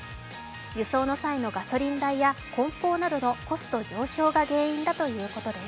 輸送の際のガソリン代や梱包などのコスト上昇が原因だということです。